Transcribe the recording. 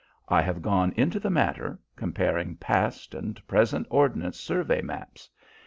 I have gone into the matter, comparing past and present ordnance survey maps.